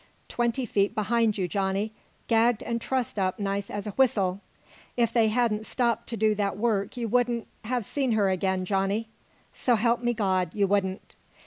"Twenty feet behind you, Johnny, gagged an' trussed up nice as a whistle! If they hadn't stopped to do that work you wouldn't ha' seen her ag'in, Johnny s'elp me, God, you wouldn't!